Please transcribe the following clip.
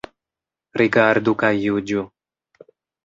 Rigardu kaj juĝu.